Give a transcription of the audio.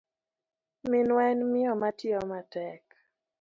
Minwa en miyo matiyo matek.